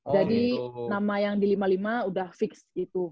jadi nama yang di lima puluh lima udah fix gitu